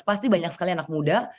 pasti banyak sekali anak muda